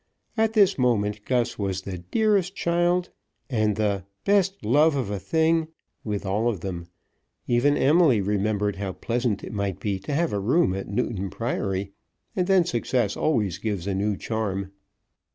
At this moment Gus was the "dearest child" and the "best love of a thing" with all of them. Even Emily remembered how pleasant it might be to have a room at Newton Priory, and then success always gives a new charm.